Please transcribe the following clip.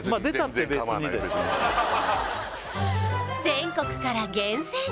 全国から厳選！